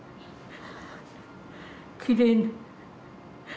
きれいに。